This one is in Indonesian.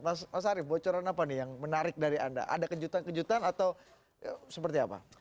mas arief bocoran apa nih yang menarik dari anda ada kejutan kejutan atau seperti apa